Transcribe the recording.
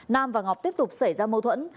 nam và ngọc tiếp tục xảy ra mâu thuẫn